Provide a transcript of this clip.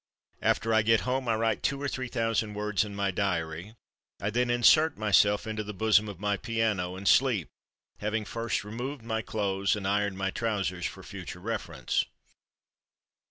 After I get home I write two or three thousand words in my diary. I then insert myself into the bosom of my piano and sleep, having first removed my clothes and ironed my trousers for future reference.